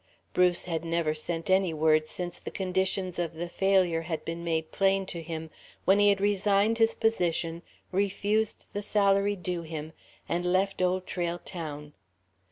Bruce had never sent any word since the conditions of the failure had been made plain to him, when he had resigned his position, refused the salary due him, and left Old Trail Town.